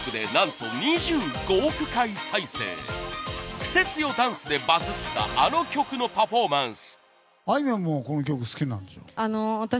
クセ強ダンスでバズったあの曲のパフォーマンス。